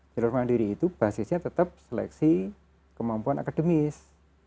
jalur mandiri itu basisnya tetap seleksi kemampuan akademis